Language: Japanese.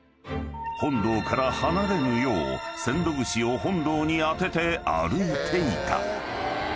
［本堂から離れぬよう千度串を本堂に当てて歩いていた］